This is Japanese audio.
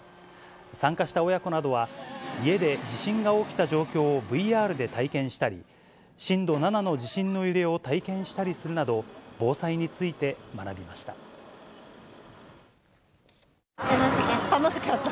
参加した親子などは、家で地震が起きた状況をＶＲで体験したり、震度７の地震の揺れを体験したりするなど、楽しかった。